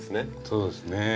そうですね。